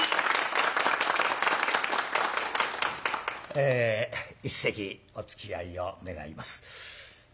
え一席おつきあいを願います。